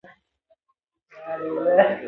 د کار تکرار وخت او پیسې ضایع کوي.